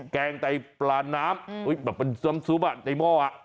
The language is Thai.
แกงไตปลาน้ำอื้อมันใช้สิบในหม้อ